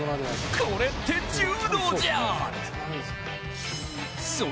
これって柔道じゃん！